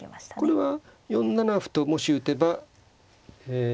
これは４七歩ともし打てばえ